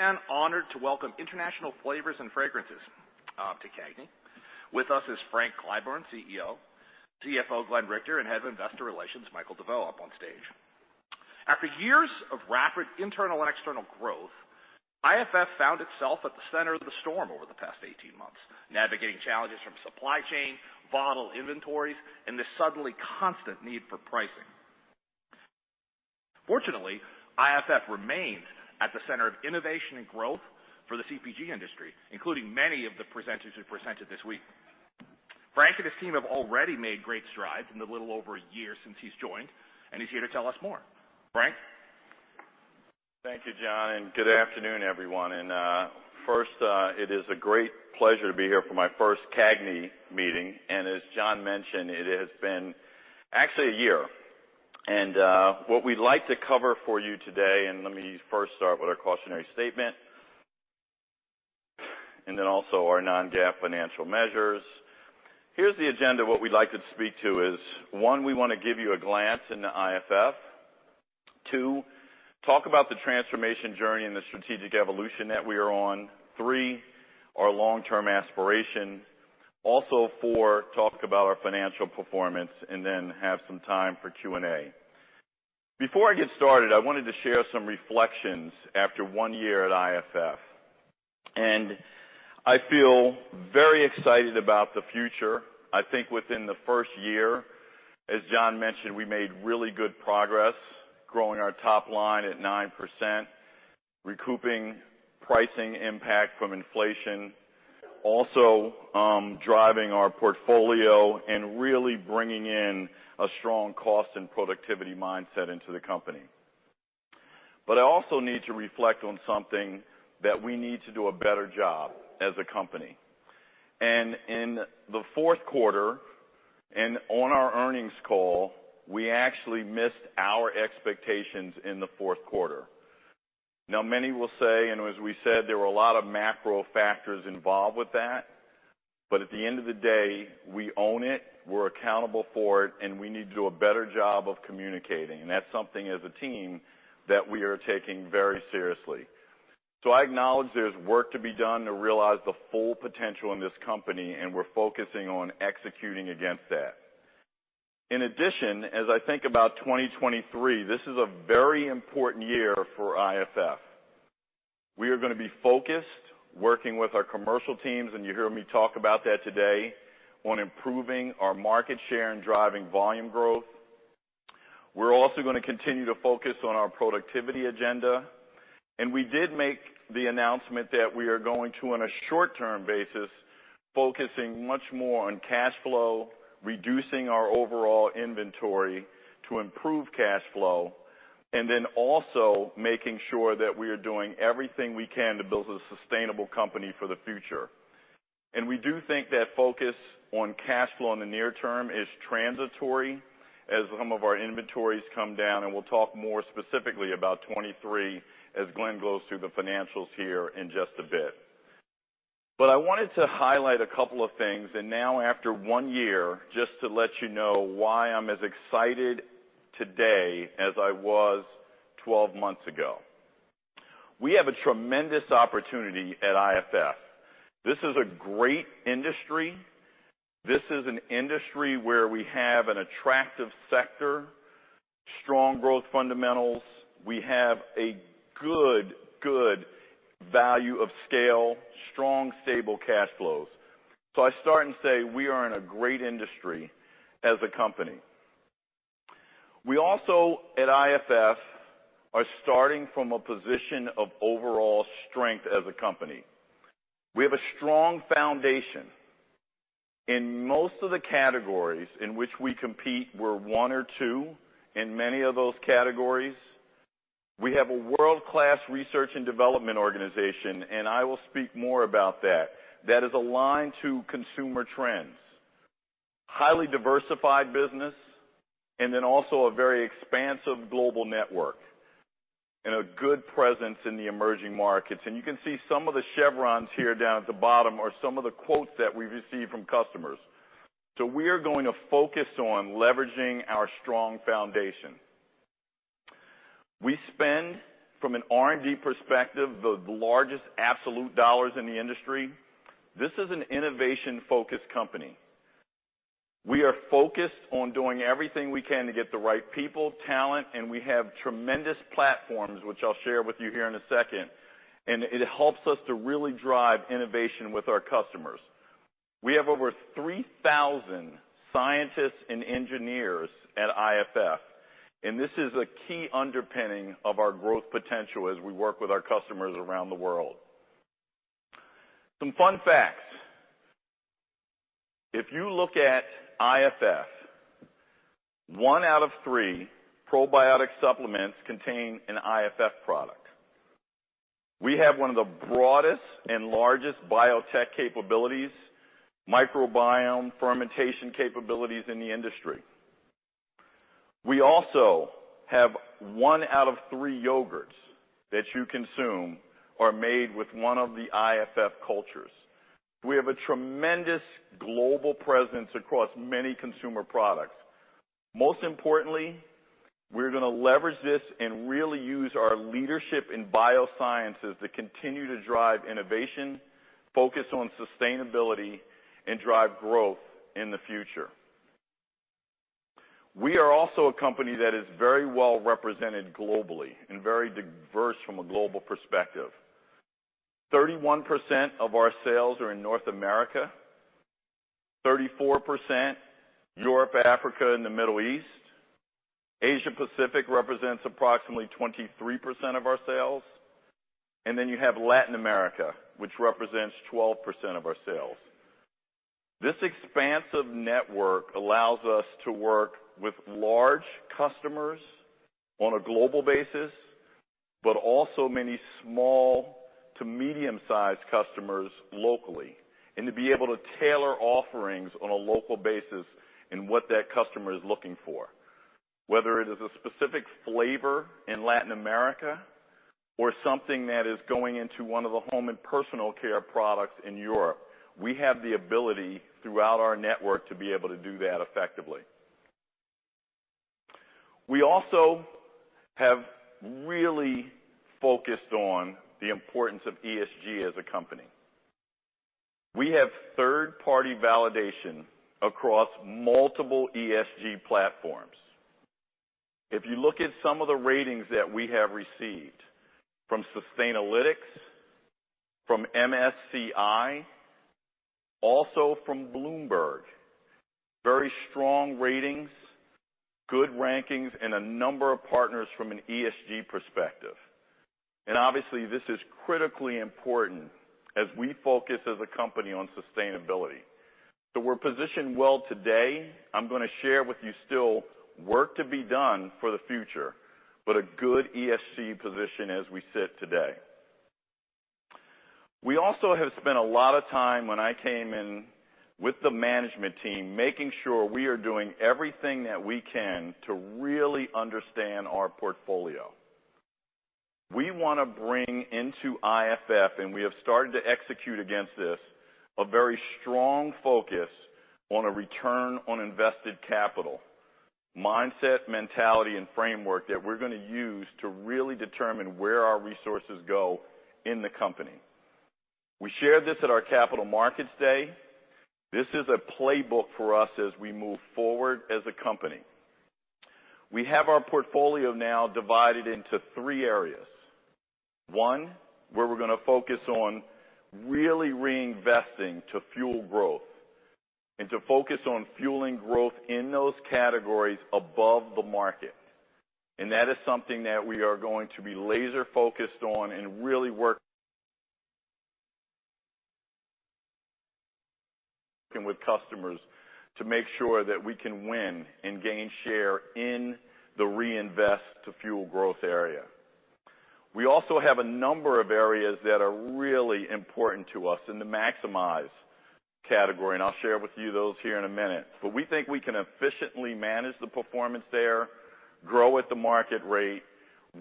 Honored to Welcome International Flavors & Fragrances to CAGNY. With us is Frank Clyburn, CEO, CFO Glenn Richter, and Head of Investor Relations, Michael DeVeau up on stage. After years of rapid internal and external growth, IFF found itself at the center of the storm over the past 18 months, navigating challenges from supply chain, bottle inventories, and the suddenly constant need for pricing. Fortunately, IFF remains at the center of innovation and growth for the CPG industry, including many of the presenters who presented this week. Frank and his team have already made great strides in the little over a year since he's joined, and he's here to tell us more. Frank. Thank you, John. Good afternoon, everyone. First, it is a great pleasure to be here for my first CAGNY meeting. As John mentioned, it has been actually a year. What we'd like to cover for you today, and let me first start with our cautionary statement, and then also our non-GAAP financial measures. Here's the agenda. What we'd like to speak to is, one, we wanna give you a glance into IFF. Two, talk about the transformation journey and the strategic evolution that we are on. Three, our long-term aspiration. Also, four, talk about our financial performance. Then have some time for Q&A. Before I get started, I wanted to share some reflections after one year at IFF. I feel very excited about the future. I think within the first year, as John mentioned, we made really good progress growing our top line at 9%, recouping pricing impact from inflation, also, driving our portfolio and really bringing in a strong cost and productivity mindset into the company. I also need to reflect on something that we need to do a better job as a company. In the fourth quarter, and on our earnings call, we actually missed our expectations in the fourth quarter. Many will say, and as we said, there were a lot of macro factors involved with that, but at the end of the day, we own it, we're accountable for it, and we need to do a better job of communicating. That's something as a team that we are taking very seriously. I acknowledge there's work to be done to realize the full potential in this company, and we're focusing on executing against that. In addition, as I think about 2023, this is a very important year for IFF. We are gonna be focused, working with our commercial teams, and you'll hear me talk about that today, on improving our market share and driving volume growth. We're also gonna continue to focus on our productivity agenda, and we did make the announcement that we are going to, on a short-term basis, focusing much more on cash flow, reducing our overall inventory to improve cash flow, and then also making sure that we are doing everything we can to build a sustainable company for the future. We do think that focus on cash flow in the near term is transitory as some of our inventories come down, and we'll talk more specifically about 2023 as Glenn goes through the financials here in just a bit. I wanted to highlight a couple of things, and now after one year, just to let you know why I'm as excited today as I was 12 months ago. We have a tremendous opportunity at IFF. This is a great industry. This is an industry where we have an attractive sector, strong growth fundamentals. We have a good value of scale, strong, stable cash flows. I start and say we are in a great industry as a company. We also, at IFF, are starting from a position of overall strength as a company. We have a strong foundation. In most of the categories in which we compete, we're one or two in many of those categories. We have a world-class research and development organization, and I will speak more about that is aligned to consumer trends. Highly diversified business, and then also a very expansive global network, and a good presence in the emerging markets. You can see some of the chevrons here down at the bottom are some of the quotes that we've received from customers. We are going to focus on leveraging our strong foundation. We spend, from an R&D perspective, the largest absolute dollars in the industry. This is an innovation-focused company. We are focused on doing everything we can to get the right people, talent, and we have tremendous platforms, which I'll share with you here in a second, and it helps us to really drive innovation with our customers. We have over 3,000 scientists and engineers at IFF, and this is a key underpinning of our growth potential as we work with our customers around the world. Some fun facts. If you look at IFF, 1/3 probiotic supplements contain an IFF product. We have one of the broadest and largest biotech capabilities, microbiome fermentation capabilities in the industry. We also have 1/3 yogurts that you consume are made with one of the IFF cultures. We have a tremendous global presence across many consumer products. Most importantly, we're gonna leverage this and really use our leadership in biosciences to continue to drive innovation, focus on sustainability, and drive growth in the future. We are also a company that is very well represented globally and very diverse from a global perspective. 31% of our sales are in North America. 34%, Europe, Africa, and the Middle East. Asia-Pacific represents approximately 23% of our sales. You have Latin America, which represents 12% of our sales. This expansive network allows us to work with large customers on a global basis, but also many small to medium-sized customers locally, and to be able to tailor offerings on a local basis in what that customer is looking for. Whether it is a specific flavor in Latin America or something that is going into one of the home and personal care products in Europe, we have the ability throughout our network to be able to do that effectively. We also have really focused on the importance of ESG as a company. We have third-party validation across multiple ESG platforms. If you look at some of the ratings that we have received from Sustainalytics, from MSCI, also from Bloomberg, very strong ratings, good rankings, and a number of partners from an ESG perspective. Obviously, this is critically important as we focus as a company on sustainability. We're positioned well today. I'm gonna share with you still work to be done for the future, but a good ESG position as we sit today. We also have spent a lot of time when I came in with the management team, making sure we are doing everything that we can to really understand our portfolio. We wanna bring into IFF, and we have started to execute against this, a very strong focus on a return on invested capital, mindset, mentality, and framework that we're gonna use to really determine where our resources go in the company. We shared this at our Capital Markets Day. This is a playbook for us as we move forward as a company. We have our portfolio now divided into three areas. One, where we're gonna focus on really reinvesting to fuel growth and to focus on fueling growth in those categories above the market. That is something that we are going to be laser-focused on and really work with customers to make sure that we can win and gain share in the reinvest to fuel growth area. We also have a number of areas that are really important to us in the maximize category, and I'll share with you those here in a minute. We think we can efficiently manage the performance there, grow at the market rate,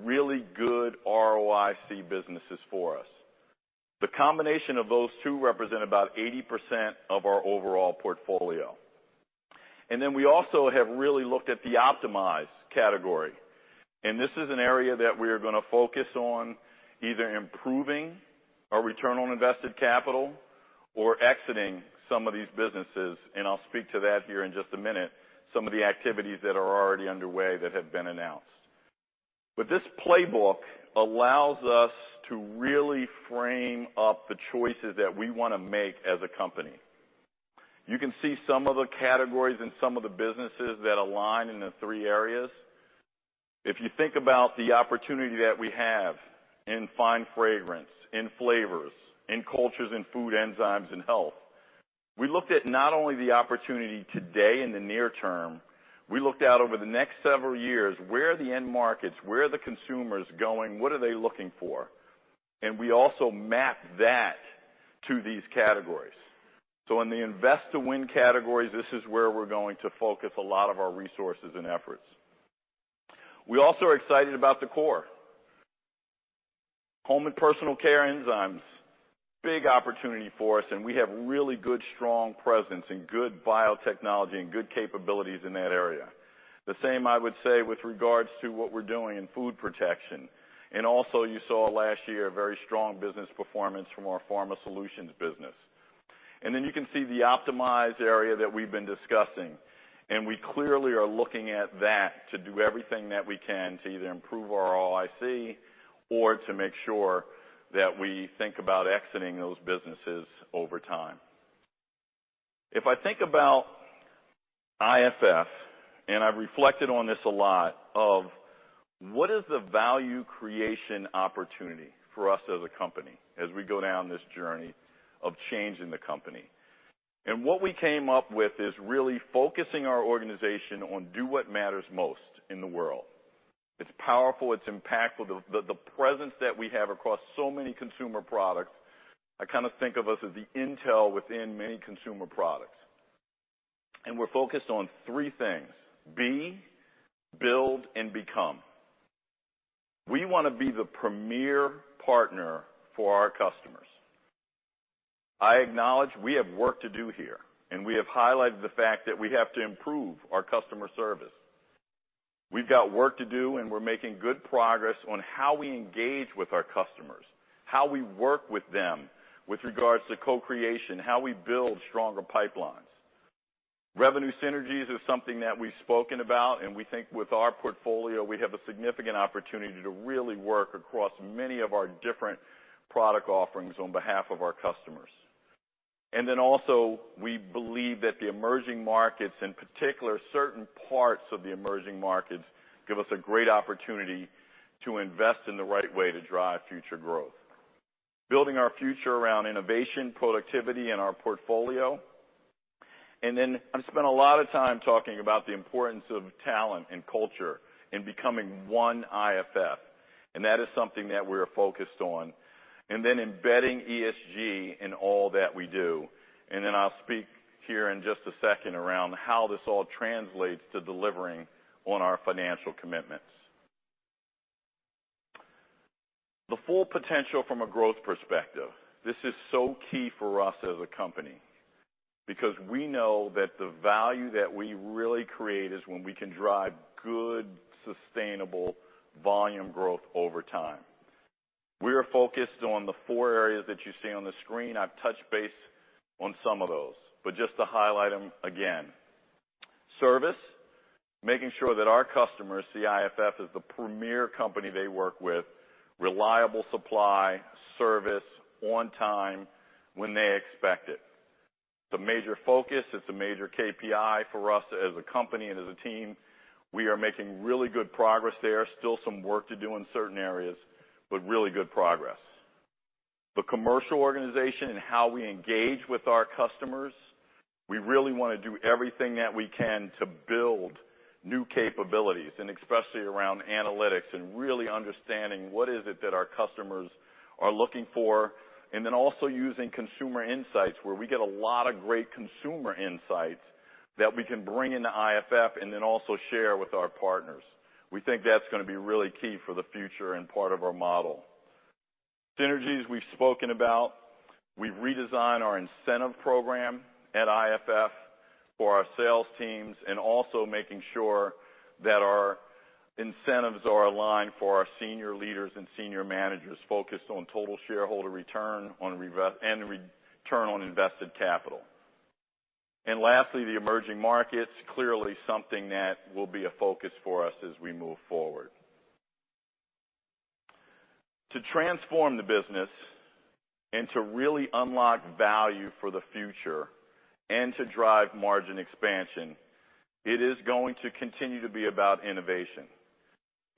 really good ROIC businesses for us. The combination of those two represent about 80% of our overall portfolio. We also have really looked at the optimize category. This is an area that we're going to focus on either improving our return on invested capital or exiting some of these businesses, and I'll speak to that here in just a minute, some of the activities that are already underway that have been announced. This playbook allows us to really frame up the choices that we want to make as a company. You can see some of the categories and some of the businesses that align in the three areas. If you think about the opportunity that we have in fine fragrance, in flavors, in cultures and food enzymes and health, we looked at not only the opportunity today in the near term, we looked out over the next several years, where are the end markets, where are the consumers going, what are they looking for? We also map that to these categories. In the invest to win categories, this is where we're going to focus a lot of our resources and efforts. We also are excited about the core. Home and personal care enzymes, big opportunity for us, and we have really good, strong presence and good biotechnology and good capabilities in that area. The same I would say with regards to what we're doing in food protection. Also, you saw last year a very strong business performance from our Pharma Solutions business. Then you can see the optimized area that we've been discussing, and we clearly are looking at that to do everything that we can to either improve our ROIC or to make sure that we think about exiting those businesses over time. If I think about IFF, and I've reflected on this a lot, of what is the value creation opportunity for us as a company as we go down this journey of changing the company? What we came up with is really focusing our organization on do what matters most in the world. It's powerful, it's impactful. The presence that we have across so many consumer products, I kinda think of us as the Intel within many consumer products. We're focused on three things: be, build, and become. We wanna be the premier partner for our customers. I acknowledge we have work to do here, and we have highlighted the fact that we have to improve our customer service. We've got work to do, and we're making good progress on how we engage with our customers, how we work with them with regards to co-creation, how we build stronger pipelines. Revenue synergies is something that we've spoken about. We think with our portfolio, we have a significant opportunity to really work across many of our different product offerings on behalf of our customers. Also, we believe that the emerging markets, in particular, certain parts of the emerging markets, give us a great opportunity to invest in the right way to drive future growth. Building our future around innovation, productivity in our portfolio. I've spent a lot of time talking about the importance of talent and culture and becoming one IFF, and that is something that we are focused on. Embedding ESG in all that we do. Then I'll speak here in just a second around how this all translates to delivering on our financial commitments. The full potential from a growth perspective. This is so key for us as a company because we know that the value that we really create is when we can drive good, sustainable volume growth over time. We are focused on the four areas that you see on the screen. I've touched base on some of those, but just to highlight them again. Service, making sure that our customers see IFF as the premier company they work with, reliable supply, service on time when they expect it. It's a major focus, it's a major KPI for us as a company and as a team. We are making really good progress there. Still some work to do in certain areas, but really good progress. The commercial organization and how we engage with our customers. We really wanna do everything that we can to build new capabilities, and especially around analytics and really understanding what is it that our customers are looking for. Also using consumer insights, where we get a lot of great consumer insights that we can bring into IFF and then also share with our partners. We think that's gonna be really key for the future and part of our model. Synergies we've spoken about. We've redesigned our incentive program at IFF for our sales teams, and also making sure that our incentives are aligned for our senior leaders and senior managers focused on total shareholder return and return on invested capital. Lastly, the emerging markets. Clearly something that will be a focus for us as we move forward. To transform the business and to really unlock value for the future and to drive margin expansion, it is going to continue to be about innovation.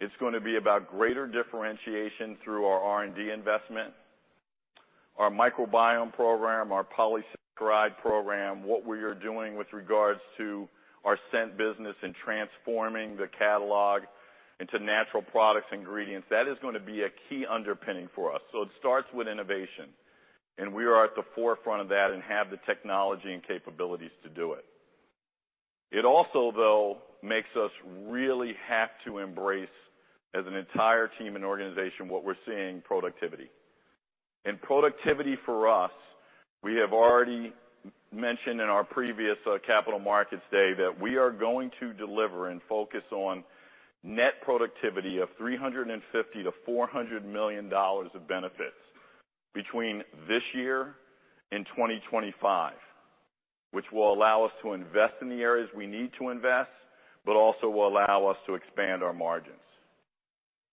It's gonna be about greater differentiation through our R&D investment. Our microbiome program, our polysaccharide program, what we are doing with regards to our scent business and transforming the catalog into natural products ingredients, that is gonna be a key underpinning for us. It starts with innovation, and we are at the forefront of that and have the technology and capabilities to do it. It also, though, makes us really have to embrace, as an entire team and organization, what we're seeing productivity. Productivity for us, we have already mentioned in our previous Capital Markets Day that we are going to deliver and focus on net productivity of $350 million-$400 million of benefits between this year and 2025, which will allow us to invest in the areas we need to invest, but also will allow us to expand our margins.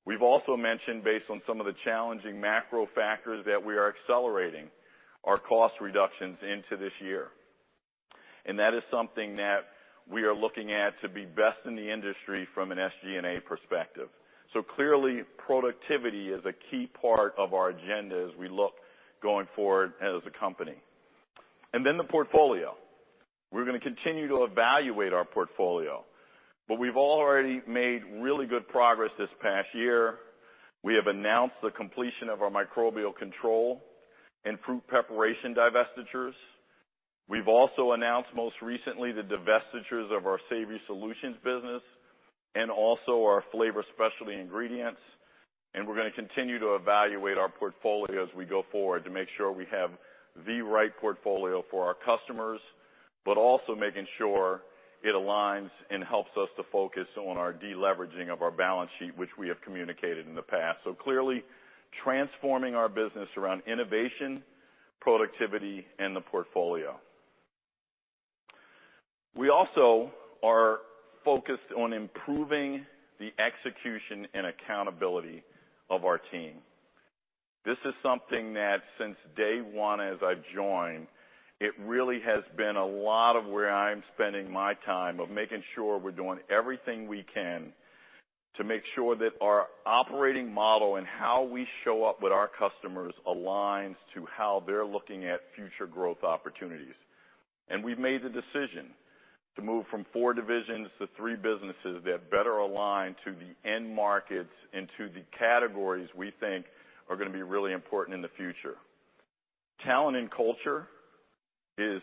We've also mentioned, based on some of the challenging macro factors, that we are accelerating our cost reductions into this year. That is something that we are looking at to be best in the industry from an SG&A perspective. Clearly, productivity is a key part of our agenda as we look going forward as a company. The portfolio. We're gonna continue to evaluate our portfolio, but we've already made really good progress this past year. We have announced the completion of our Microbial Control and fruit preparation divestitures. We've also announced most recently the divestitures of our Savory Solutions business and also our Flavor Specialty Ingredients. We're gonna continue to evaluate our portfolio as we go forward to make sure we have the right portfolio for our customers, but also making sure it aligns and helps us to focus on our deleveraging of our balance sheet, which we have communicated in the past. Clearly transforming our business around innovation, productivity, and the portfolio. We also are focused on improving the execution and accountability of our team. This is something that since day one, as I've joined, it really has been a lot of where I'm spending my time, of making sure we're doing everything we can to make sure that our operating model and how we show up with our customers aligns to how they're looking at future growth opportunities. we've made the decision to move from four divisions to three businesses that better align to the end markets and to the categories we think are gonna be really important in the future. Talent and culture is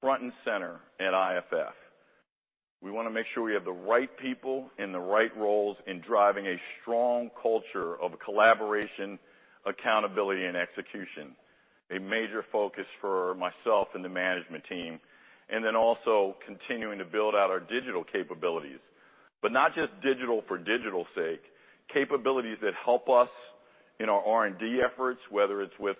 front and center at IFF. We want to make sure we have the right people in the right roles in driving a strong culture of collaboration, accountability, and execution, a major focus for myself and the management team, and then also continuing to build out our digital capabilities. Not just digital for digital's sake, capabilities that help us in our R&D efforts, whether it's with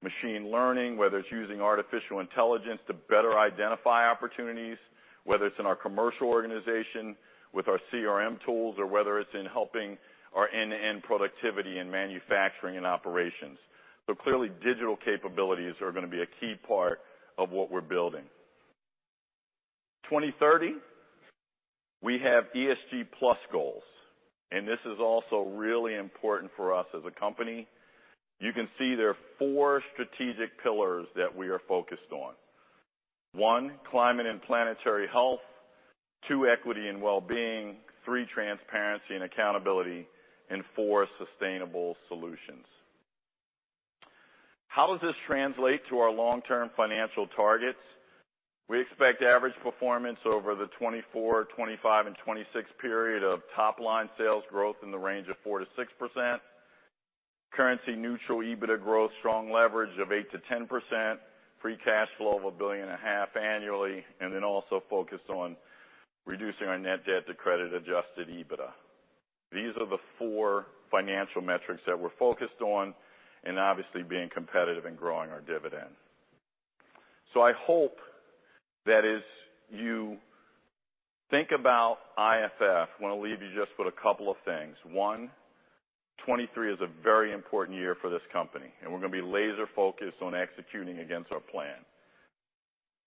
machine learning, whether it's using artificial intelligence to better identify opportunities, whether it's in our commercial organization with our CRM tools, or whether it's in helping our end-to-end productivity in manufacturing and operations. Clearly, digital capabilities are gonna be a key part of what we're building. 2030, we have ESG plus goals, and this is also really important for us as a company. You can see there are four strategic pillars that we are focused on. One, climate and planetary health. Two, equity and wellbeing. Three, transparency and accountability. Four, sustainable solutions. How does this translate to our long-term financial targets? We expect average performance over the 2024, 2025, and 2026 period of top line sales growth in the range of 4%-6%. Currency neutral EBITDA growth, strong leverage of 8%-10%. Free cash flow of $1.5 billion annually, also focused on reducing our net debt to credit-adjusted EBITDA. These are the four financial metrics that we're focused on, obviously being competitive and growing our dividend. I hope that as you think about IFF, I wanna leave you just with a couple of things. One, 2023 is a very important year for this company, we're gonna be laser-focused on executing against our plan.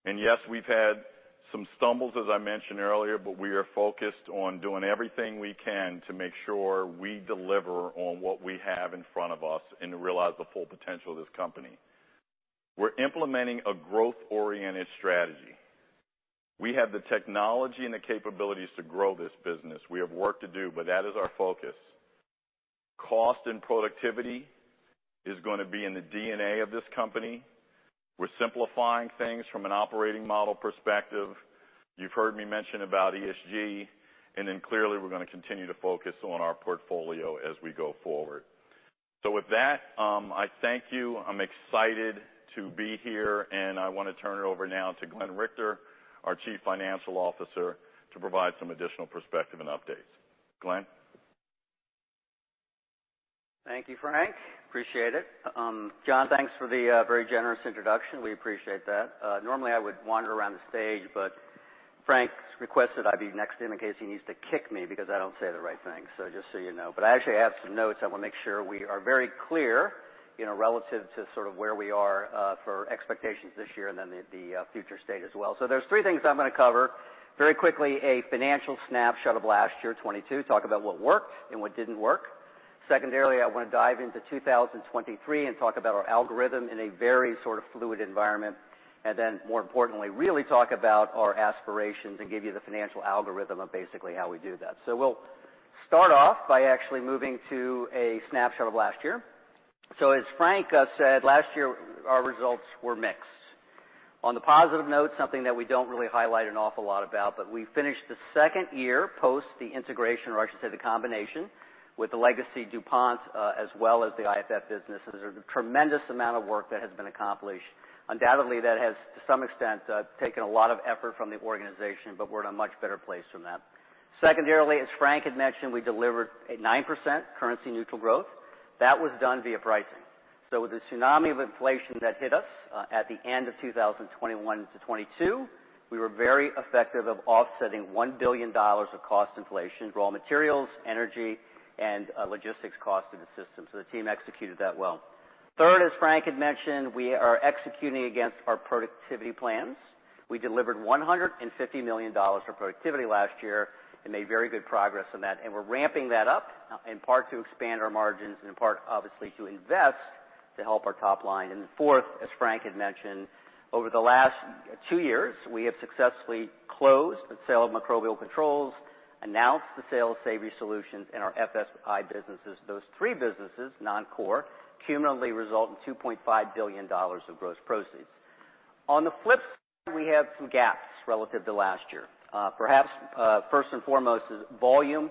Yes, we've had some stumbles, as I mentioned earlier, but we are focused on doing everything we can to make sure we deliver on what we have in front of us and to realize the full potential of this company. We're implementing a growth-oriented strategy. We have the technology and the capabilities to grow this business. We have work to do, but that is our focus. Cost and productivity is gonna be in the DNA of this company. We're simplifying things from an operating model perspective. You've heard me mention about ESG. Clearly, we're gonna continue to focus on our portfolio as we go forward. With that, I thank you. I'm excited to be here, and I wanna turn it over now to Glenn Richter, our chief financial officer, to provide some additional perspective and updates. Glenn? Thank you, Frank. Appreciate it. John, thanks for the very generous introduction. We appreciate that. Normally I would wander around the stage, but Frank's requested I be next to him in case he needs to kick me because I don't say the right thing, just so you know. I actually have some notes. I wanna make sure we are very clear, you know, relative to sort of where we are for expectations this year and then the future state as well. There's three things I'm gonna cover. Very quickly, a financial snapshot of last year, 2022. Talk about what worked and what didn't work. Secondarily, I wanna dive into 2023 and talk about our algorithm in a very sort of fluid environment. More importantly, really talk about our aspirations and give you the financial algorithm of basically how we do that. We'll start off by actually moving to a snapshot of last year. As Frank said, last year our results were mixed. On the positive note, something that we don't really highlight an awful lot about, but we finished the second year post the integration, or I should say the combination, with the legacy DuPont, as well as the IFF businesses. A tremendous amount of work that has been accomplished. Undoubtedly, that has, to some extent, taken a lot of effort from the organization, but we're in a much better place from that. Secondarily, as Frank had mentioned, we delivered a 9% currency neutral growth. That was done via pricing. With the tsunami of inflation that hit us at the end of 2021-2022, we were very effective of offsetting $1 billion of cost inflation, raw materials, energy, and logistics costs in the system. The team executed that well. Third, as Frank had mentioned, we are executing against our productivity plans. We delivered $150 million for productivity last year and made very good progress on that, and we're ramping that up in part to expand our margins and in part, obviously, to invest to help our top line. Fourth, as Frank had mentioned, over the last two years, we have successfully closed the sale of Microbial Control, announced the sale of Savory Solutions and our FSI businesses. Those three businesses, non-core, cumulatively result in $2.5 billion of gross proceeds. On the flip side, we have some gaps relative to last year. Perhaps, first and foremost is volume,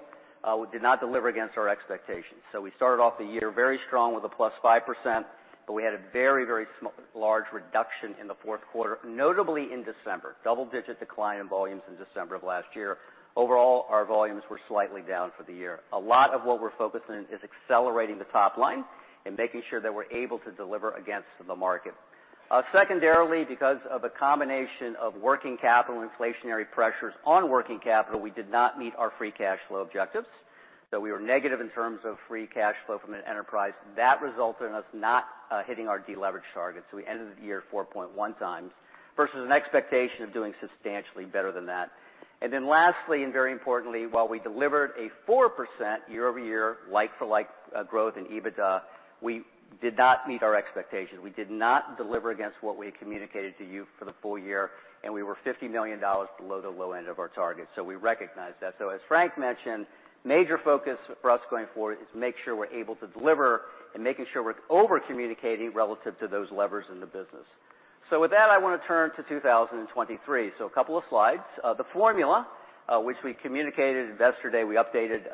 we did not deliver against our expectations. We started off the year very strong with a +5%, we had a very, very large reduction in the fourth quarter, notably in December. Double-digit decline in volumes in December of last year. Overall, our volumes were slightly down for the year. A lot of what we're focusing on is accelerating the top line and making sure that we're able to deliver against the market. Secondarily, because of a combination of working capital, inflationary pressures on working capital, we did not meet our free cash flow objectives, we were negative in terms of free cash flow from an enterprise. That resulted in us not hitting our deleverage targets. We ended the year at 4.1x versus an expectation of doing substantially better than that. Lastly, and very importantly, while we delivered a 4% year-over-year like-for-like growth in EBITDA, we did not meet our expectations. We did not deliver against what we had communicated to you for the full year, and we were $50 million below the low end of our target, we recognize that. As Frank mentioned, major focus for us going forward is make sure we're able to deliver and making sure we're over-communicating relative to those levers in the business. With that, I want to turn to 2023. A couple of slides. The formula, which we communicated at Investor Day, we updated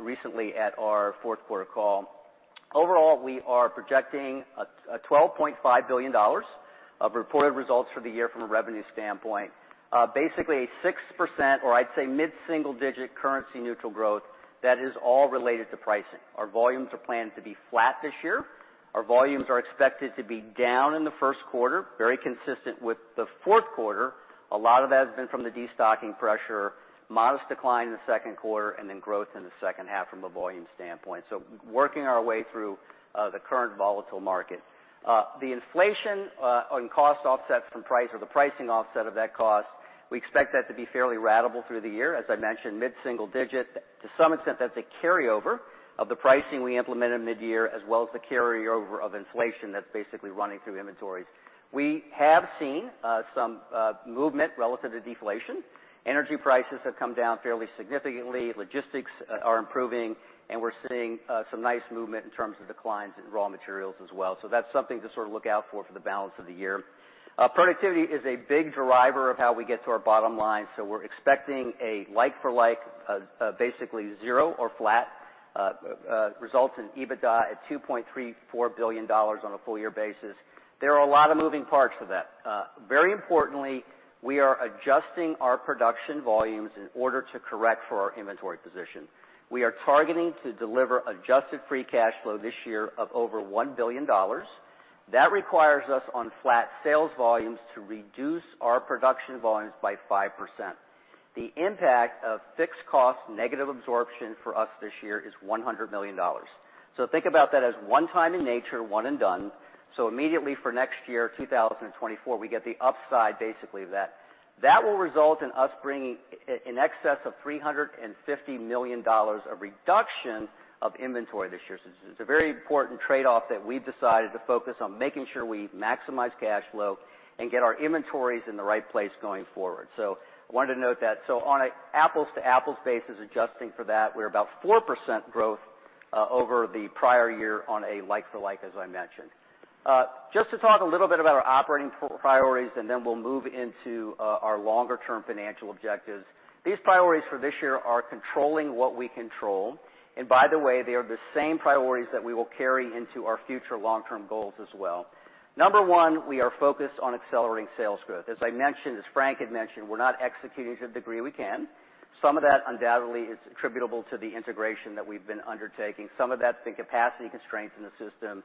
recently at our fourth quarter call. Overall, we are projecting $12.5 billion of reported results for the year from a revenue standpoint. Basically a 6%, or I'd say mid-single digit currency neutral growth that is all related to pricing. Our volumes are planned to be flat this year. Our volumes are expected to be down in the first quarter, very consistent with the fourth quarter. A lot of that has been from the destocking pressure, modest decline in the second quarter, growth in the second half from a volume standpoint. Working our way through the current volatile market. The inflation on cost offset from price or the pricing offset of that cost, we expect that to be fairly ratable through the year. As I mentioned, mid-single digit. To some extent, that's a carryover of the pricing we implemented midyear, as well as the carryover of inflation that's basically running through inventories. We have seen some movement relative to deflation. Energy prices have come down fairly significantly, logistics are improving, and we're seeing some nice movement in terms of declines in raw materials as well. That's something to sort of look out for the balance of the year. Productivity is a big driver of how we get to our bottom line, so we're expecting a like-for-like, basically zero or flat results in EBITDA at $2.34 billion on a full year basis. There are a lot of moving parts to that. Very importantly, we are adjusting our production volumes in order to correct for our inventory position. We are targeting to deliver adjusted free cash flow this year of over $1 billion. That requires us, on flat sales volumes, to reduce our production volumes by 5%. The impact of fixed cost negative absorption for us this year is $100 million. Think about that as one time in nature, one and done. Immediately for next year, 2024, we get the upside basically of that. That will result in us bringing in excess of $350 million of reduction of inventory this year. It's a very important trade-off that we've decided to focus on making sure we maximize cash flow and get our inventories in the right place going forward. Wanted to note that. On a apples to apples basis, adjusting for that, we're about 4% growth over the prior year on a like for like, as I mentioned. Just to talk a little bit about our operating priorities, and then we'll move into our longer term financial objectives. These priorities for this year are controlling what we control, and by the way, they are the same priorities that we will carry into our future long-term goals as well. Number one, we are focused on accelerating sales growth. As I mentioned, as Frank had mentioned, we're not executing to the degree we can. Some of that undoubtedly is attributable to the integration that we've been undertaking. Some of that's the capacity constraints in the system.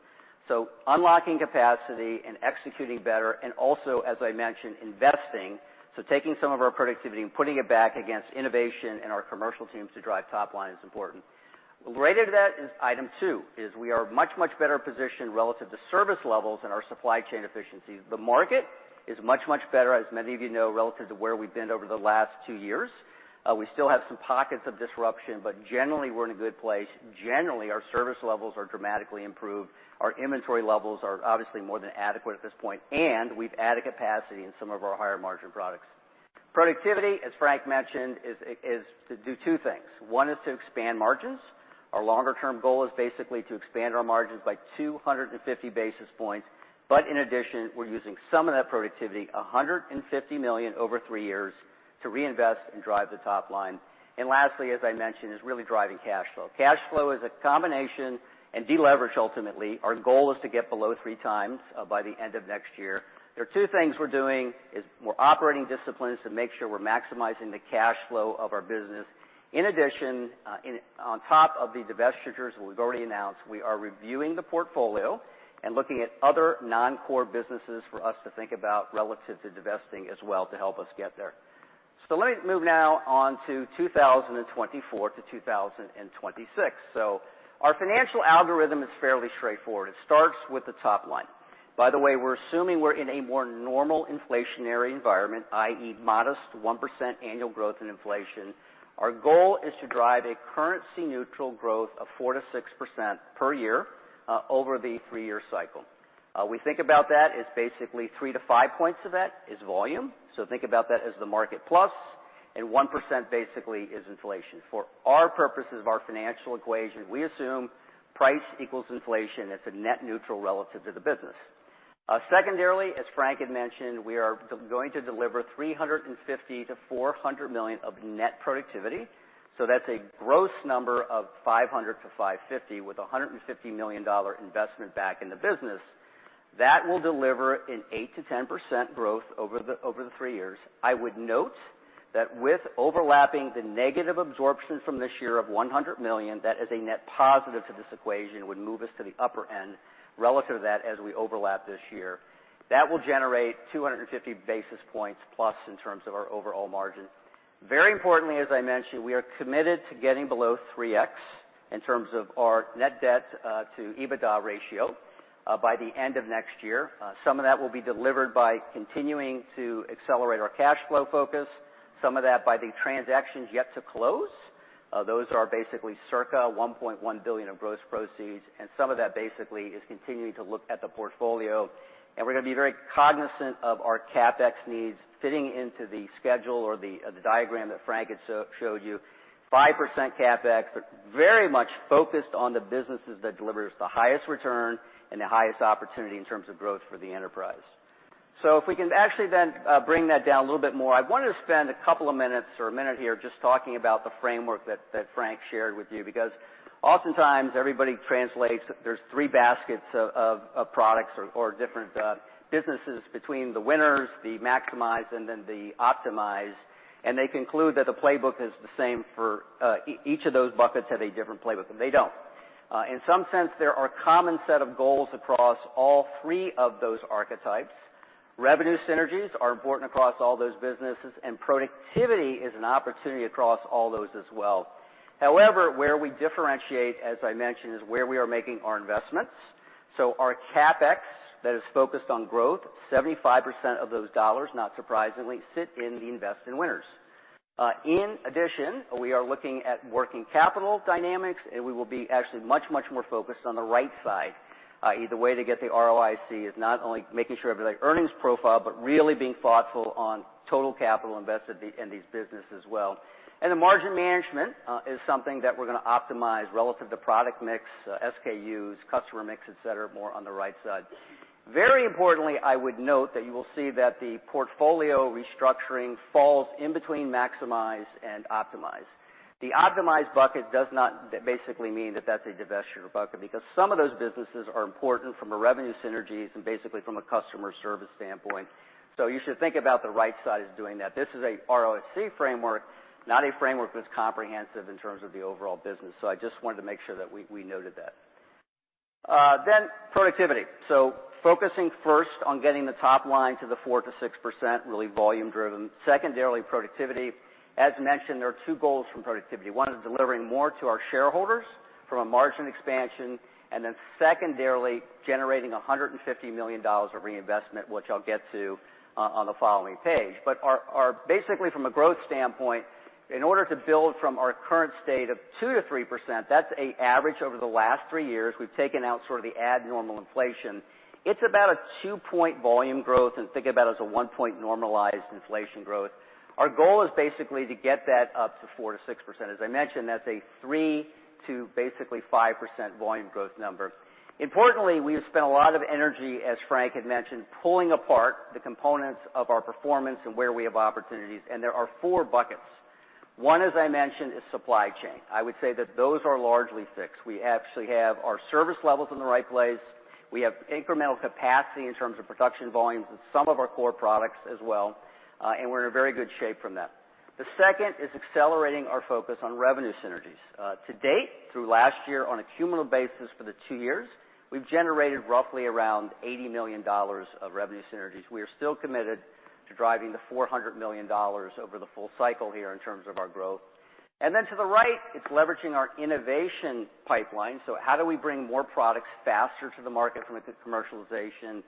Unlocking capacity and executing better, and also, as I mentioned, investing, so taking some of our productivity and putting it back against innovation and our commercial teams to drive top line is important. Related to that is item two, is we are much, much better positioned relative to service levels and our supply chain efficiencies. The market is much, much better, as many of you know, relative to where we've been over the last two years. We still have some pockets of disruption, but generally we're in a good place. Generally, our service levels are dramatically improved. Our inventory levels are obviously more than adequate at this point, and we've added capacity in some of our higher margin products. Productivity, as Frank mentioned, is to do two things. One is to expand margins. Our longer term goal is basically to expand our margins by 250 basis points. In addition, we're using some of that productivity, $150 million over three years, to reinvest and drive the top line. Lastly, as I mentioned, is really driving cash flow. Cash flow is a combination and deleverage ultimately. Our goal is to get below 3x by the end of next year. There are two things we're doing, is we're operating disciplines to make sure we're maximizing the cash flow of our business. In addition, on top of the divestitures we've already announced, we are reviewing the portfolio and looking at other non-core businesses for us to think about relative to divesting as well to help us get there. Let me move now on to 2024-2026. Our financial algorithm is fairly straightforward. It starts with the top line. By the way, we're assuming we're in a more normal inflationary environment, i.e., modest 1% annual growth in inflation. Our goal is to drive a currency neutral growth of 4%-6% per year over the three year cycle. We think about that as basically 3-5 points of that is volume, so think about that as the market plus, and 1% basically is inflation. For our purposes of our financial equation, we assume price equals inflation. It's a net neutral relative to the business. Secondarily, as Frank had mentioned, we are going to deliver $350 million-$400 million of net productivity, so that's a gross number of $500 million-$550 million with a $150 million investment back in the business. That will deliver an 8%-10% growth over the three years. I would note that with overlapping the negative absorption from this year of $100 million, that as a net positive to this equation would move us to the upper end relative to that as we overlap this year. That will generate 250 basis points plus in terms of our overall margin. Very importantly, as I mentioned, we are committed to getting below 3x in terms of our net debt to EBITDA ratio by the end of next year. Some of that will be delivered by continuing to accelerate our cash flow focus, some of that by the transactions yet to close. Those are basically circa $1.1 billion of gross proceeds, and some of that is continuing to look at the portfolio. We're gonna be very cognizant of our CapEx needs fitting into the schedule or the diagram that Frank showed you. 5% CapEx, but very much focused on the businesses that delivers the highest return and the highest opportunity in terms of growth for the enterprise. If we can actually then bring that down a little bit more. I wanted to spend a couple of minutes or a minute here just talking about the framework that Frank shared with you, because oftentimes everybody translates there's three baskets of products or different businesses between the winners, the maximize, and then the optimize. They conclude that the playbook is the same for each of those buckets have a different playbook, and they don't. In some sense, there are common set of goals across all three of those archetypes. Revenue synergies are important across all those businesses, and productivity is an opportunity across all those as well. However, where we differentiate, as I mentioned, is where we are making our investments. Our CapEx that is focused on growth, 75% of those dollars, not surprisingly, sit in the invest in winners. In addition, we are looking at working capital dynamics, and we will be actually much, much more focused on the right side. Either way to get the ROIC is not only making sure of the earnings profile, but really being thoughtful on total capital invested in these business as well. The margin management is something that we're gonna optimize relative to product mix, SKUs, customer mix, et cetera, more on the right side. Very importantly, I would note that you will see that the portfolio restructuring falls in between maximize and optimize. The optimize bucket does not basically mean that that's a divestiture bucket because some of those businesses are important from a revenue synergies and basically from a customer service standpoint. You should think about the right side as doing that. This is a ROIC framework, not a framework that's comprehensive in terms of the overall business. I just wanted to make sure that we noted that. Productivity. Focusing first on getting the top line to the 4%-6%, really volume-driven. Secondarily, productivity. As mentioned, there are two goals from productivity. 1 is delivering more to our shareholders from a margin expansion, and then secondarily, generating $150 million of reinvestment, which I'll get to on the following page. Our basically from a growth standpoint, in order to build from our current state of 2%-3%, that's a average over the last three years, we've taken out sort of the abnormal inflation. It's about a two point volume growth, and think about it as a one point normalized inflation growth. Our goal is basically to get that up to 4%-6%. As I mentioned, that's a 3% to basically 5% volume growth number. Importantly, we have spent a lot of energy, as Frank had mentioned, pulling apart the components of our performance and where we have opportunities, and there are four buckets. One, as I mentioned, is supply chain. I would say that those are largely fixed. We actually have our service levels in the right place. We have incremental capacity in terms of production volumes with some of our core products as well, and we're in a very good shape from that. The second is accelerating our focus on revenue synergies. To date, through last year on a cumulative basis for the two years, we've generated roughly around $80 million of revenue synergies. We are still committed to driving the $400 million over the full cycle here in terms of our growth. To the right, it's leveraging our innovation pipeline. How do we bring more products faster to the market from a commercialization?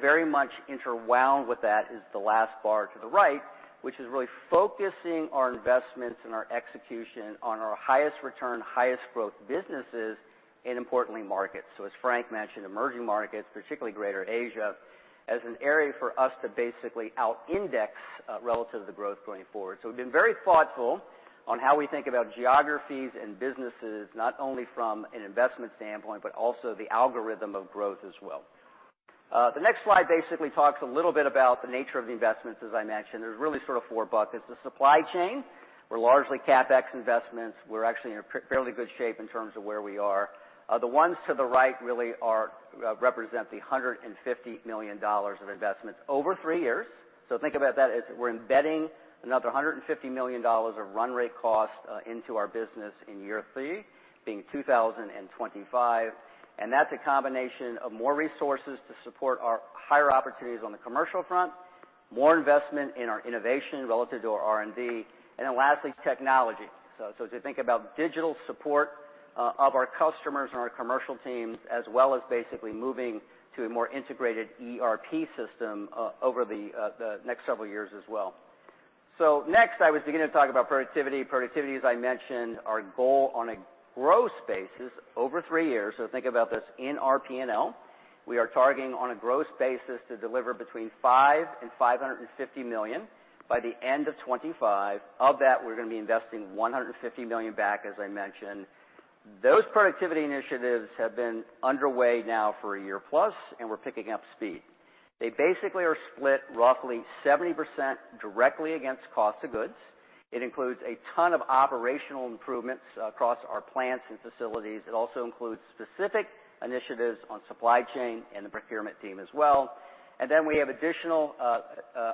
Very much interwound with that is the last bar to the right, which is really focusing our investments and our execution on our highest return, highest growth businesses and importantly, markets. As Frank mentioned, emerging markets, particularly Greater Asia, as an area for us to basically out-index relative to the growth going forward. We've been very thoughtful on how we think about geographies and businesses, not only from an investment standpoint, but also the algorithm of growth as well. The next slide basically talks a little bit about the nature of the investments. As I mentioned, there's really sort of four buckets. The supply chain, we're largely CapEx investments. We're actually in a fairly good shape in terms of where we are. The ones to the right really represent the $150 million of investments over three years. Think about that as we're embedding another $150 million of run rate cost into our business in year three, being 2025. That's a combination of more resources to support our higher opportunities on the commercial front, more investment in our innovation relative to our R&D, and then lastly, technology. To think about digital support of our customers and our commercial teams, as well as basically moving to a more integrated ERP system over the next several years as well. Next, I was gonna talk about productivity. Productivity, as I mentioned, our goal on a growth basis over three years. Think about this in our P&L. We are targeting on a growth basis to deliver between $500 million and $550 million by the end of 2025. Of that, we're gonna be investing $150 million back, as I mentioned. Those productivity initiatives have been underway now for a year plus, and we're picking up speed. They basically are split roughly 70% directly against cost of goods. It includes a ton of operational improvements across our plants and facilities. It also includes specific initiatives on supply chain and the procurement team as well. Then we have additional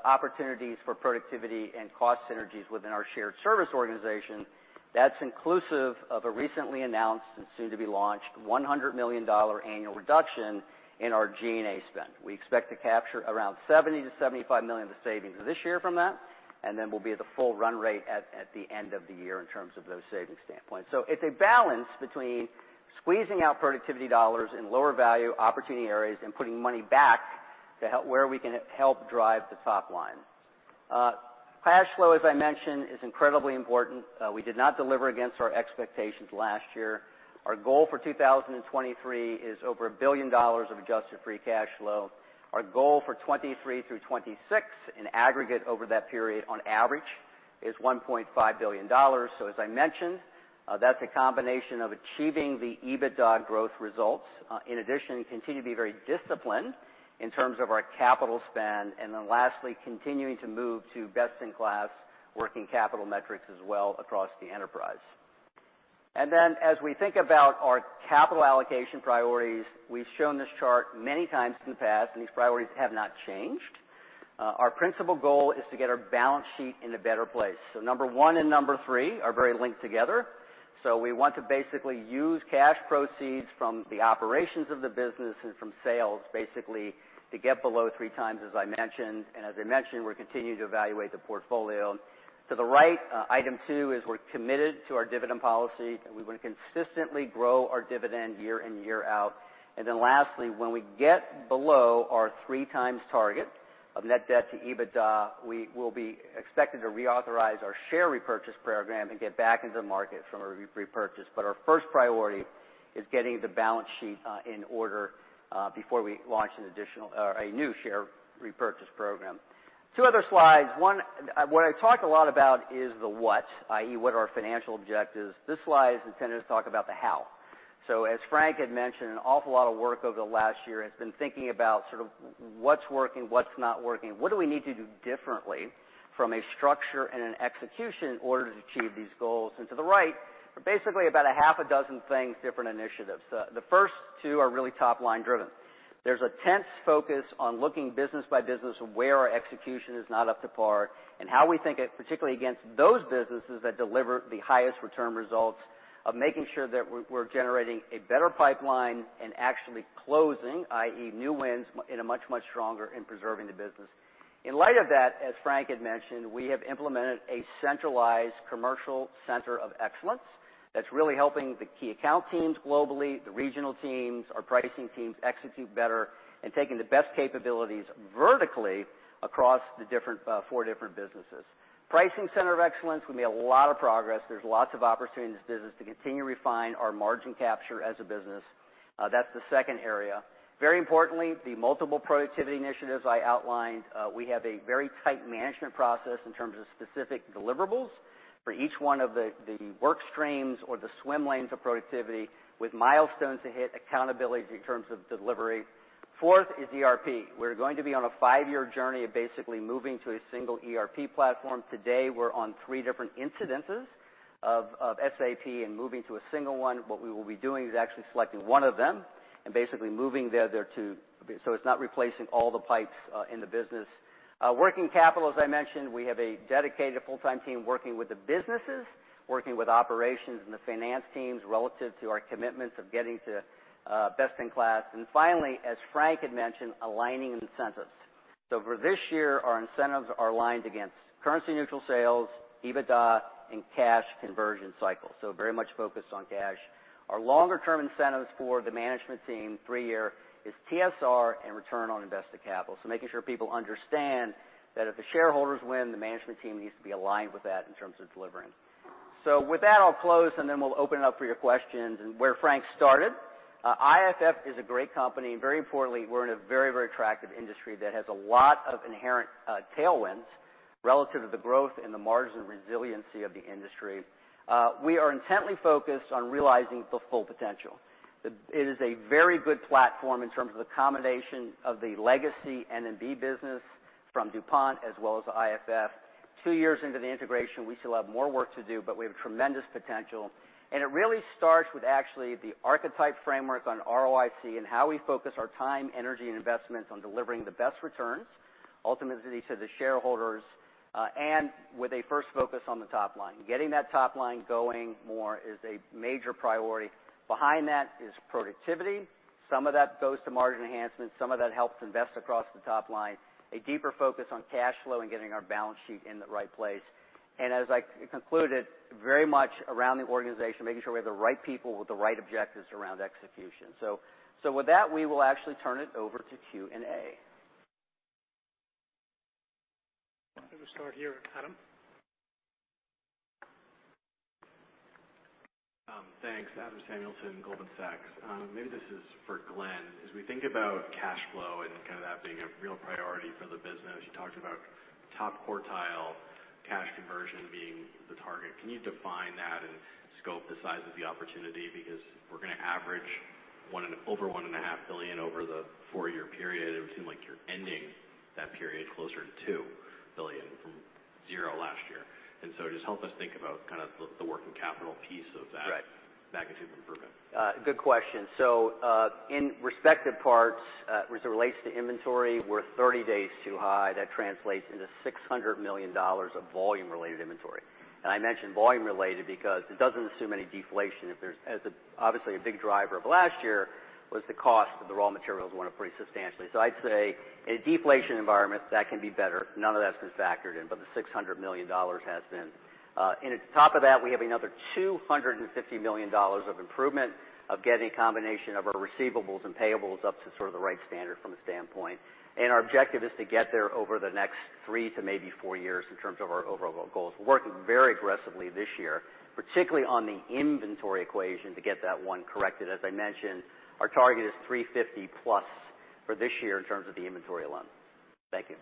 opportunities for productivity and cost synergies within our shared service organization. That's inclusive of a recently announced and soon to be launched $100 million annual reduction in our G&A spend. We expect to capture around $70 million-$75 million of the savings this year from that, then we'll be at the full run rate at the end of the year in terms of those savings standpoint. It's a balance between squeezing out productivity dollars in lower value opportunity areas and putting money back to help where we can help drive the top line. Cash flow, as I mentioned, is incredibly important. We did not deliver against our expectations last year. Our goal for 2023 is over $1 billion of adjusted free cash flow. Our goal for 2023 through 2026 in aggregate over that period on average is $1.5 billion. As I mentioned, that's a combination of achieving the EBITDA growth results. In addition, we continue to be very disciplined in terms of our capital spend. Lastly, continuing to move to best-in-class working capital metrics as well across the enterprise. As we think about our capital allocation priorities, we've shown this chart many times in the past, and these priorities have not changed. Our principal goal is to get our balance sheet in a better place. Number one and number three are very linked together. We want to use cash proceeds from the operations of the business and from sales to get below 3x, as I mentioned. As I mentioned, we're continuing to evaluate the portfolio. To the right, item two is we're committed to our dividend policy, and we want to consistently grow our dividend year in, year out. Lastly, when we get below our 3x target of net debt to EBITDA, we will be expected to reauthorize our share repurchase program and get back into the market from a repurchase. Our first priority is getting the balance sheet in order before we launch a new share repurchase program. Two other slides. One, what I talk a lot about is the what, i.e., what are our financial objectives. This slide is intended to talk about the how. As Frank had mentioned, an awful lot of work over the last year has been thinking about sort of what's working, what's not working, what do we need to do differently from a structure and an execution in order to achieve these goals. To the right are basically about a half a dozen things, different initiatives. The first two are really top-line driven. There's intense focus on looking business by business on where our execution is not up to par and how we think it, particularly against those businesses that deliver the highest return results of making sure that we're generating a better pipeline and actually closing, i.e., new wins in a much stronger and preserving the business. In light of that, as Frank had mentioned, we have implemented a centralized commercial center of excellence that's really helping the key account teams globally, the regional teams, our pricing teams execute better and taking the best capabilities vertically across the four different businesses. Pricing center of excellence. We made a lot of progress. There's lots of opportunity in this business to continue to refine our margin capture as a business. That's the second area. Very importantly, the multiple productivity initiatives I outlined. We have a very tight management process in terms of specific deliverables for each one of the work streams or the swim lanes of productivity with milestones to hit, accountability in terms of delivery. Fourth is ERP. We're going to be on a five year journey of basically moving to a single ERP platform. Today, we're on three different incidences of SAP and moving to a single one. What we will be doing is actually selecting one of them and basically moving the other two, so it's not replacing all the pipes in the business. Working capital, as I mentioned, we have a dedicated full-time team working with the businesses, working with operations and the finance teams relative to our commitments of getting to best in class. Finally, as Frank had mentioned, aligning incentives. For this year, our incentives are aligned against currency-neutral sales, EBITDA, and cash conversion cycle, so very much focused on cash. Our longer-term incentives for the management team, three year, is TSR and return on invested capital, making sure people understand that if the shareholders win, the management team needs to be aligned with that in terms of delivering. With that, I'll close, and then we'll open it up for your questions. Where Frank started, IFF is a great company, and very importantly, we're in a very, very attractive industry that has a lot of inherent tailwinds relative to the growth and the margin resiliency of the industry. We are intently focused on realizing the full potential. It is a very good platform in terms of the combination of the legacy N&B business from DuPont as well as IFF. Two years into the integration, we still have more work to do, but we have tremendous potential, and it really starts with actually the archetype framework on ROIC and how we focus our time, energy, and investments on delivering the best returns, ultimately to the shareholders, and with a first focus on the top line. Getting that top line going more is a major priority. Behind that is productivity. Some of that goes to margin enhancement. Some of that helps invest across the top line. A deeper focus on cash flow and getting our balance sheet in the right place. As I concluded, very much around the organization, making sure we have the right people with the right objectives around execution. With that, we will actually turn it over to Q&A. Let me start here with Adam. Thanks. Adam Samuelson, Goldman Sachs. Maybe this is for Glenn. As we think about cash flow and kind of that being a real priority for the business, you talked about top quartile cash conversion being the target. Can you define that and scope the size of the opportunity? Because we're gonna average 1 and over one and a half billion over the four year period, it would seem like you're ending that period closer to $2 billion from zero last year. Just help us think about kind of the working capital piece of that. Right. magnitude improvement. Good question. In respective parts, as it relates to inventory, we're 30 days too high. That translates into $600 million of volume-related inventory. I mention volume-related because it doesn't assume any deflation. If there's, as, obviously, a big driver of last year was the cost of the raw materials went up pretty substantially. I'd say in a deflation environment, that can be better. None of that's been factored in, but the $600 million has been. At the top of that, we have another $250 million of improvement of getting a combination of our receivables and payables up to sort of the right standard from a standpoint. Our objective is to get there over the next three to maybe four years in terms of our overall goals. We're working very aggressively this year, particularly on the inventory equation, to get that one corrected. As I mentioned, our target is $350+. For this year in terms of the inventory alone. Thank you.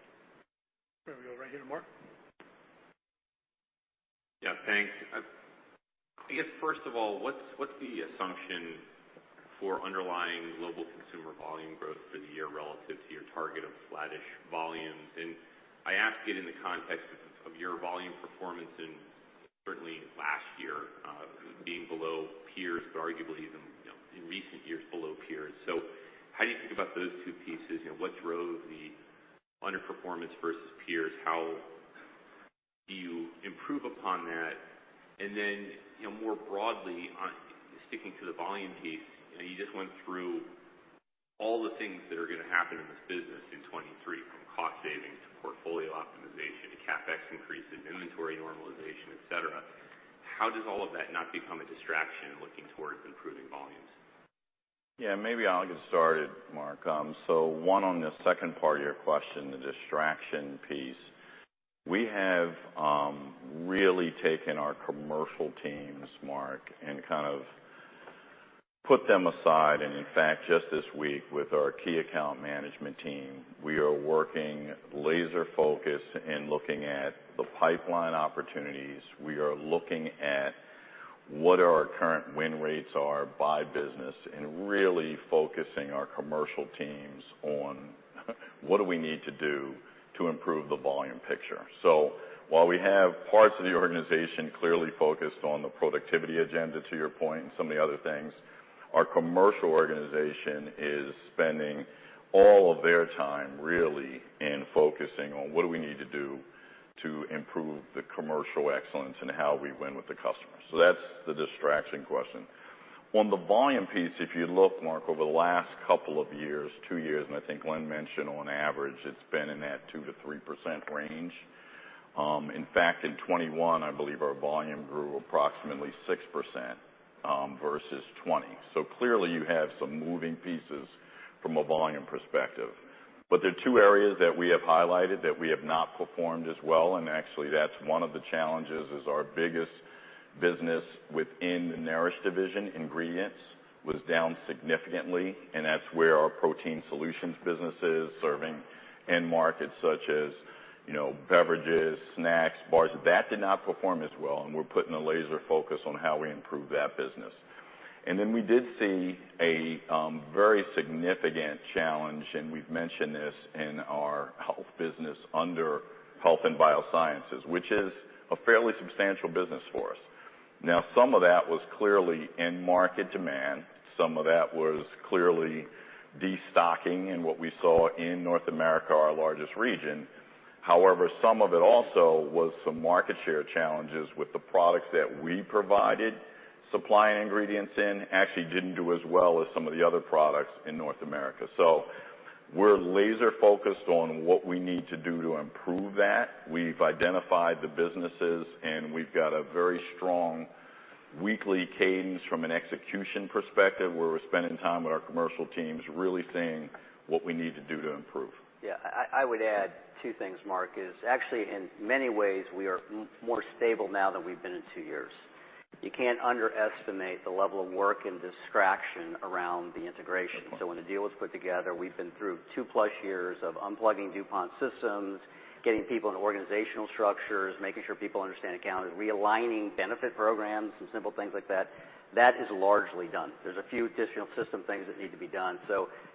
We go right here to Mark. Thanks. I guess, first of all, what's the assumption for underlying global consumer volume growth for the year relative to your target of flattish volumes? I ask it in the context of your volume performance and certainly last year being below peers, but arguably even, you know, in recent years below peers. How do you think about those two pieces? You know, what drove the underperformance versus peers? How do you improve upon that? Then, you know, more broadly on sticking to the volume piece, you know, you just went through all the things that are gonna happen in this business in 2023, from cost saving to portfolio optimization to CapEx increase in inventory normalization, et cetera. How does all of that not become a distraction looking towards improving volumes? Yeah, maybe I'll get started, Mark. One on the second part of your question, the distraction piece. We have really taken our commercial teams, Mark, and kind of put them aside, and in fact, just this week with our key account management team, we are working laser-focused in looking at the pipeline opportunities. We are looking at what our current win rates are by business and really focusing our commercial teams on what do we need to do to improve the volume picture. While we have parts of the organization clearly focused on the productivity agenda, to your point, and some of the other things, our commercial organization is spending all of their time really in focusing on what do we need to do to improve the commercial excellence and how we win with the customers. That's the distraction question. On the volume piece, if you look Mark, over the last couple of years, two years, and I think Lynn mentioned on average, it's been in that 2%-3% range. In fact, in 2021, I believe our volume grew approximately 6% versus 2020. Clearly, you have some moving pieces from a volume perspective. There are two areas that we have highlighted that we have not performed as well, and actually that's one of the challenges is our biggest business within the Nourish division, ingredients, was down significantly, and that's where our Protein Solutions business is serving end markets such as, you know, beverages, snacks, bars. That did not perform as well, and we're putting a laser focus on how we improve that business. We did see a very significant challenge, and we've mentioned this in our health business under Health and Biosciences, which is a fairly substantial business for us. Some of that was clearly end market demand. Some of that was clearly destocking in what we saw in North America, our largest region. Some of it also was some market share challenges with the products that we provided supply and ingredients in actually didn't do as well as some of the other products in North America. We're laser-focused on what we need to do to improve that. We've identified the businesses, and we've got a very strong weekly cadence from an execution perspective, where we're spending time with our commercial teams really seeing what we need to do to improve. Yeah, I would add two things, Mark, is actually in many ways, we are more stable now than we've been in two years. You can't underestimate the level of work and distraction around the integration. When the deal was put together, we've been through 2+ years of unplugging DuPont systems, getting people in organizational structures, making sure people understand account, realigning benefit programs and simple things like that. That is largely done. There's a few additional system things that need to be done.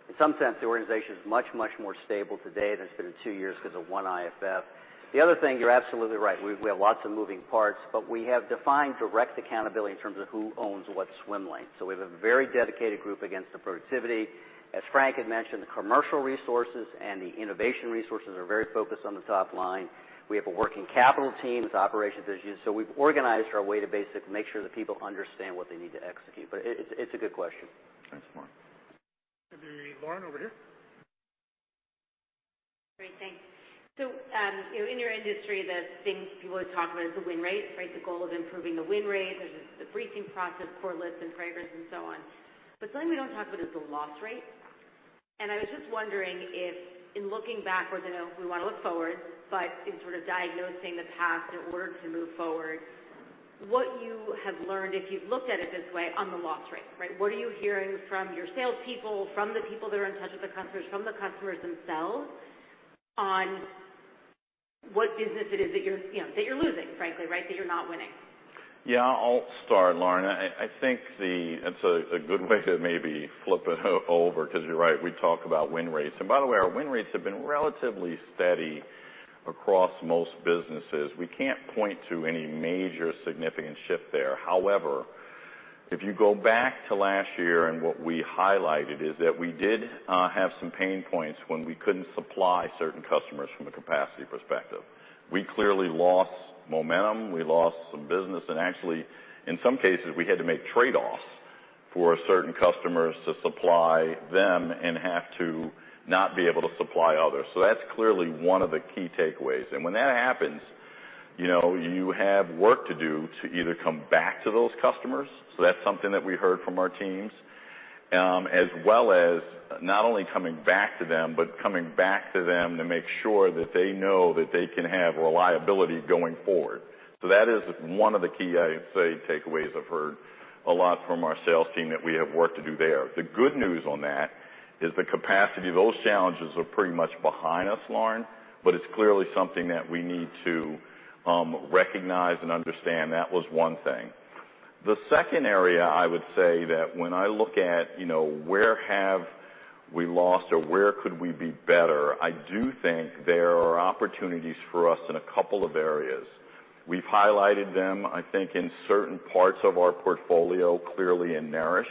In some sense, the organization is much more stable today than it's been in two years 'cause of one IFF. The other thing, you're absolutely right. We have lots of moving parts, but we have defined direct accountability in terms of who owns what swim lane. We have a very dedicated group against the productivity. As Frank had mentioned, the commercial resources and the innovation resources are very focused on the top line. We have a working capital team. It's an operations issue. We've organized our way to basically make sure that people understand what they need to execute. It's a good question. Thanks, Mark. Lauren, over here. Great, thanks. You know, in your industry, the things people would talk about is the win rate, right? The goal of improving the win rate. There's the briefing process, core lists and fragrance and so on. Something we don't talk about is the loss rate. I was just wondering if in looking backwards, I know we wanna look forward, but in sort of diagnosing the past in order to move forward, what you have learned, if you've looked at it this way, on the loss rate, right? What are you hearing from your salespeople, from the people that are in touch with the customers, from the customers themselves on what business it is that you're, you know, that you're losing, frankly, right? That you're not winning. Yeah, I'll start, Lauren. It's a good way to maybe flip it over 'cause you're right, we talk about win rates. By the way, our win rates have been relatively steady across most businesses. We can't point to any major significant shift there. If you go back to last year, and what we highlighted is that we did have some pain points when we couldn't supply certain customers from a capacity perspective. We clearly lost momentum, we lost some business, and actually, in some cases, we had to make trade-offs for certain customers to supply them and have to not be able to supply others. That's clearly one of the key takeaways. When that happens, you know, you have work to do to either come back to those customers, so that's something that we heard from our teams, as well as not only coming back to them, but coming back to them to make sure that they know that they can have reliability going forward. That is one of the key, I would say, takeaways I've heard a lot from our sales team that we have work to do there. The good news on that is the capacity of those challenges are pretty much behind us, Lauren, but it's clearly something that we need to recognize and understand. That was one thing. The second area I would say that when I look at, you know, where have we lost or where could we be better, I do think there are opportunities for us in a couple of areas. We've highlighted them, I think in certain parts of our portfolio, clearly in Nourish.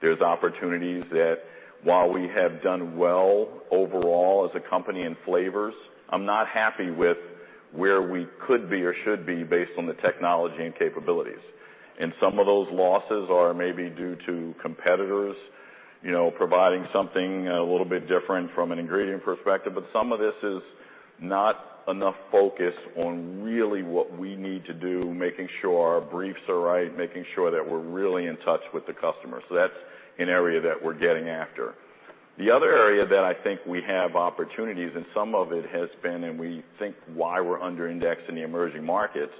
There's opportunities that while we have done well overall as a company in flavors, I'm not happy with where we could be or should be based on the technology and capabilities. Some of those losses are maybe due to competitors, you know, providing something a little bit different from an ingredient perspective, but some of this is not enough focus on really what we need to do, making sure our briefs are right, making sure that we're really in touch with the customer, so that's an area that we're getting after. The other area that I think we have opportunities, some of it has been and we think why we're under indexed in the emerging markets,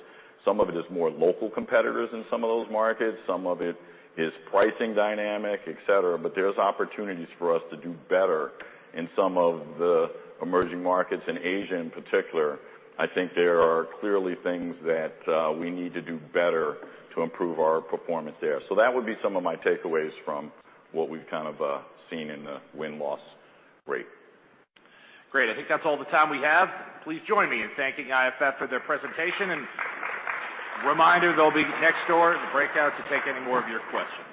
some of it is more local competitors in some of those markets, some of it is pricing dynamic, et cetera, but there's opportunities for us to do better in some of the emerging markets. In Asia, in particular, I think there are clearly things that we need to do better to improve our performance there. That would be some of my takeaways from what we've kind of seen in the win-loss rate. Great. I think that's all the time we have. Please join me in thanking IFF for their presentation. Reminder, they'll be next door in the breakout to take any more of your questions.